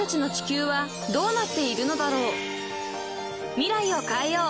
［未来を変えよう！